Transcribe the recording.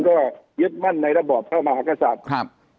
ก็ยึดมั่นในระบบเข้ามาคสัตว์ครับ